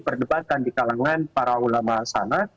perdebatan di kalangan para ulama sana